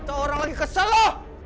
atau orang lagi kesel lah